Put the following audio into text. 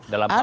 dalam hal ini